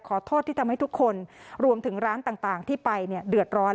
ขอโทษที่ทำให้ทุกคนรวมถึงร้านต่างที่ไปเนี่ยเดือดร้อน